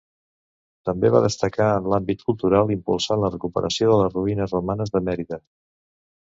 També va destacar en l'àmbit cultural, impulsant la recuperació de les ruïnes romanes de Mèrida.